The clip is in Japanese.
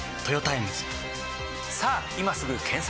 さぁ今すぐ検索！